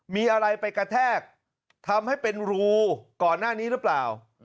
มีอะไรไปกระแทกทำให้เป็นรูก่อนหน้านี้หรือเปล่า